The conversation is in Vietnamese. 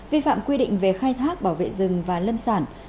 vi phạm quy định về khai thác bảo vệ rừng và lâm sản